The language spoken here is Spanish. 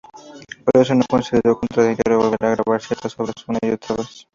Por eso no considero contradictorio volver a grabar ciertas obras una y otra vez.